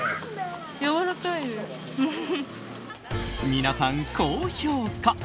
皆さん、高評価！